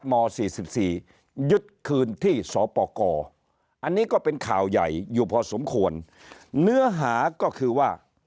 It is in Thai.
ม๔๔ยึดคืนที่สปกรอันนี้ก็เป็นข่าวใหญ่อยู่พอสมควรเนื้อหาก็คือว่า